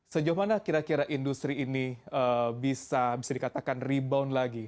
sejauh mana kira kira industri ini bisa dikatakan rebound lagi